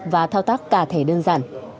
và thao tác cả thẻ đơn giản